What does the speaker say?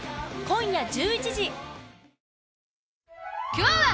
今日は！